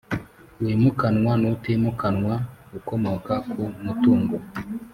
wimukanwa n utimukanwa ukomoka ku mutungo